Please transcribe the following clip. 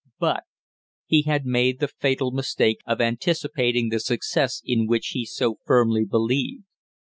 But he had made the fatal mistake of anticipating the success in which he so firmly believed.